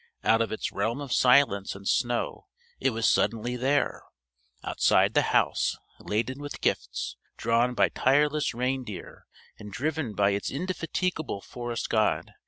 Out of its realm of silence and snow it was suddenly there! outside the house, laden with gifts, drawn by tireless reindeer and driven by its indefatigable forest god.